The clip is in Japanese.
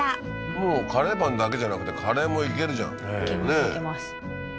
もうカレーパンだけじゃなくてカレーもいけるじゃんいけますいけます